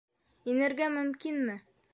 Инергә... мөмкинме?